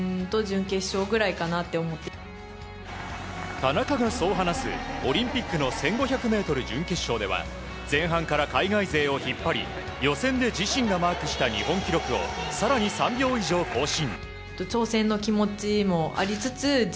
田中がそう話すオリンピックの１５００ｍ準決勝では前半から海外勢を引っ張り予選で自身がマークした日本記録を更に３秒以上更新。